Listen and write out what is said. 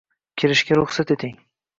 Kirishga ruxsat eting